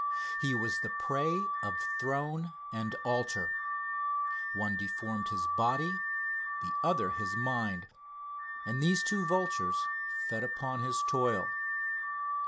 He was the prey of Throne and Altar one deformed his body, the other his mind and these two vultures fed upon his toil.